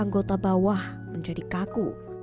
anggota bawah menjadi kaku